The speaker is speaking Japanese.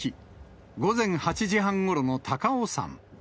午前８時半ごろの高尾山。